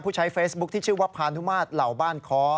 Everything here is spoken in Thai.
ใช้เฟซบุ๊คที่ชื่อว่าพานุมาตรเหล่าบ้านค้อ